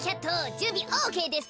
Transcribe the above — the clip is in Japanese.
じゅんびオーケーですか？